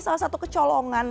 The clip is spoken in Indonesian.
salah satu kecolongan